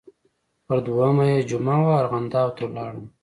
پر دویمه یې جمعه وه ارغنداو ته لاړم.